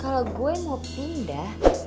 kalo gue mau pindah